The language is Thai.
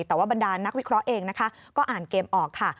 แต่ว่าบรรดานักวิเคราะห์เองนะคะก็อ่านเกมออกค่ะ